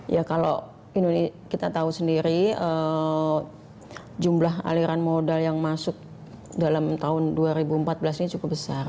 ya kalau kita tahu sendiri jumlah aliran modal yang masuk dalam tahun dua ribu empat belas ini cukup besar